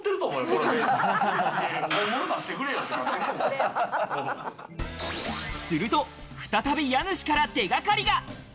すると再び家主から手掛かりが。